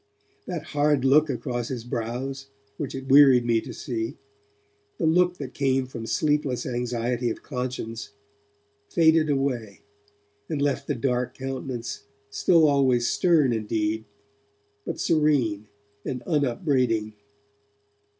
That hard look across his brows, which it wearied me to see, the look that came from sleepless anxiety of conscience, faded away, and left the dark countenance still always stern indeed, but serene and unupbraiding.